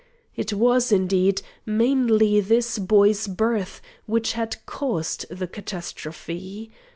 It was, indeed, mainly this boy's birth which had caused the catastrophe.